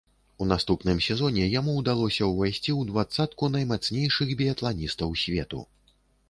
У наступным сезоне яму ўдалося ўвайсці ў дваццатку наймацнейшых біятланістаў свету.